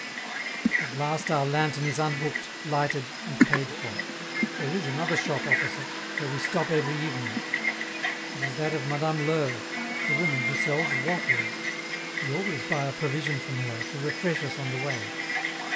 At last our lantern is unhooked, lighted, and paid for. There is another shop opposite, where we stop every evening; it is that of Madame L'Heure, the woman who sells waffles; we always buy a provision from her, to refresh us on the way.